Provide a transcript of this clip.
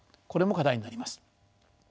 これも課題になります。